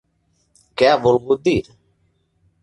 Què ha volgut dir?